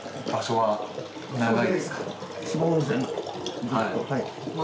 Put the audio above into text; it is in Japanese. はい。